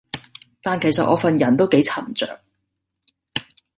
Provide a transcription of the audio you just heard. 但其實我份人都幾沉着